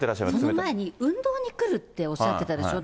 その前に運動に来るっておっしゃってたでしょう。